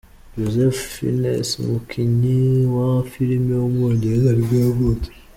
Joseph Fiennes, umukinnyi wa filime w’umwongereza nibwo yavutse.